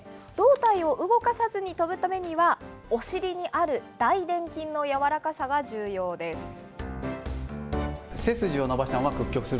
胴体を動かさずに飛ぶためには、お尻にある大殿筋の柔らかさが重要です。